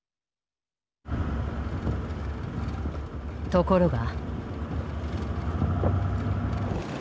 ところが。